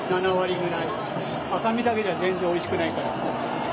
赤身だけじゃ全然おいしくないから。